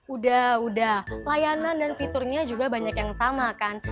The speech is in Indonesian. udah udah layanan dan fiturnya juga banyak yang sama kan